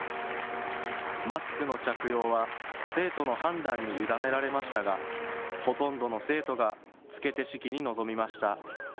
マスクの着用は、生徒の判断に委ねられましたが、ほとんどの生徒が着けて式に臨みました。